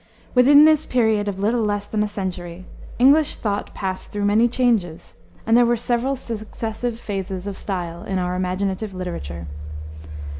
Within this period of little less than a century English thought passed through many changes, and there were several successive phases of style in our imaginative literature.